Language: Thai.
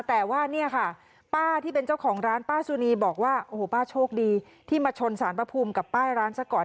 แต่ว่าเนี่ยค่ะป้าที่เป็นเจ้าของร้านป้าสุนีบอกว่าโอ้โหป้าโชคดีที่มาชนสารพระภูมิกับป้ายร้านซะก่อน